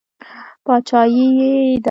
باچایي یې ده.